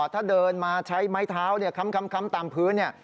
ถ้าเดินมาใช้ไม้เท้าคำตามพื้น